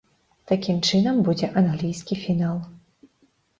Такім чынам, будзе англійскі фінал!